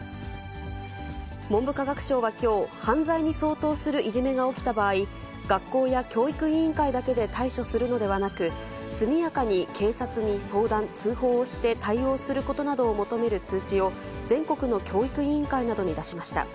文部科学省はきょう、犯罪に相当するいじめが起きた場合、学校や教育委員会だけで対処するのではなく、速やかに警察に相談・通報をして対応することなどを求める通知を、全国の教育委員会などに出しました。